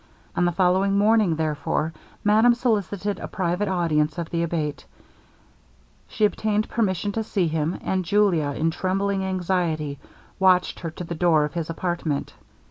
On the following morning, therefore, madame solicited a private audience of the Abate; she obtained permission to see him, and Julia, in trembling anxiety, watched her to the door of his apartment.